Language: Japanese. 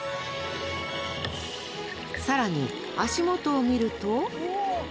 更に足元を見ると？